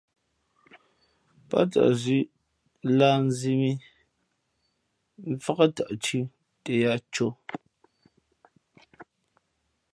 Pά tαʼ zʉ̄ lǎh nzī mǐ mfák tαʼ thʉ̄ tα yāā cō.